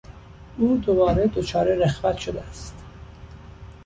او دوباره دچار رخوت شده است.